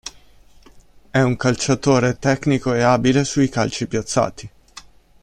È un calciatore tecnico e abile sui calci piazzati.